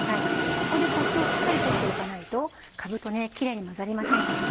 ここでコシをしっかり取っておかないとかぶとキレイに混ざりませんからね。